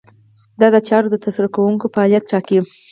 دا د چارو د ترسره کوونکو فعالیت ټاکي.